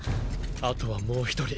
あとはもう一人。